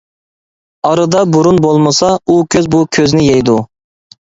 ئارىدا بۇرۇن بولمىسا، ئۇ كۆز بۇ كۆزنى يەيدۇ.